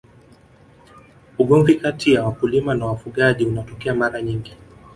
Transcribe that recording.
ugomvi kati ya wakulima na wafugaji unatokea mara nyingi